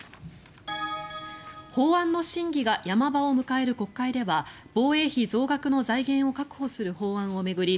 法案の審議が山場を迎える国会では防衛費増額の財源を確保する法案を巡り